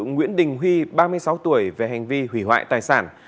nguyễn đình huy ba mươi sáu tuổi về hành vi hủy hoại tài sản